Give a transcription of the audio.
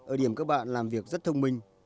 ở điểm các bạn làm việc rất thông minh